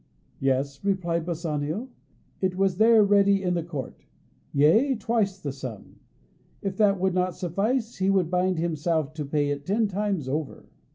Yes, replied Bassanio, it was there ready in the court yea, twice the sum. If that would not suffice, he would bind himself to pay it ten times over.